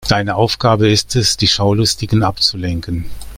Deine Aufgabe ist es, die Schaulustigen abzulenken.